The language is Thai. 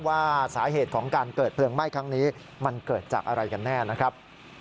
ว่าสาเหตุของการเกิดเพลิงไหม้ครั้งนี้มันเกิดจากอะไรกันแน่นะครับ